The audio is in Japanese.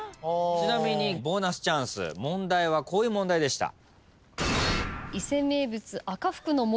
ちなみにボーナスチャンス問題はこういう問題でした。